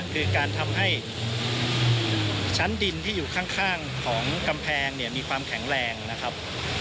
คือการทำให้ชั้นดินที่อยู่ข้างของกำแพงเนี่ยมีความแข็งแรงนะครับ